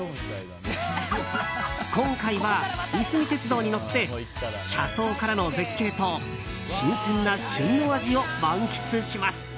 今回はいすみ鉄道に乗って車窓からの絶景と新鮮な旬の味を満喫します。